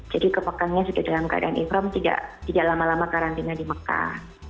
jadi ke mekahnya sudah dalam keadaan ikhram tidak lama lama karantina di mekah